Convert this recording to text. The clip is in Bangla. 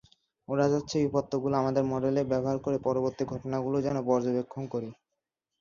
ওরা চাচ্ছে এই উপাত্তগুলো আমার মডেলে ব্যবহার করে পরবর্তী ঘটনাগুলো যেন পর্যবেক্ষণ করি।